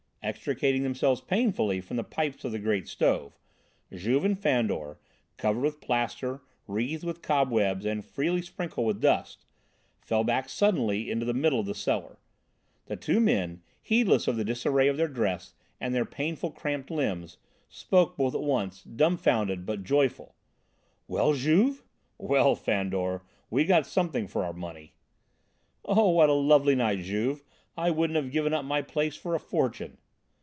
Extricating themselves painfully from the pipes of the great stove, Juve and Fandor, covered with plaster, wreathed with cobwebs, and freely sprinkled with dust, fell back suddenly into the middle of the cellar. The two men, heedless of the disarray of their dress and their painful cramped limbs, spoke both at once, dumbfounded but joyful: "Well, Juve?" "Well, Fandor, we got something for our money." "Oh, what a lovely night, Juve; I wouldn't have given up my place for a fortune."